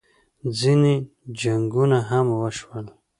ځینې جنګونه هم وشول